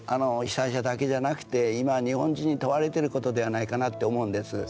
被災者だけじゃなくて今日本人に問われてることではないかなって思うんです。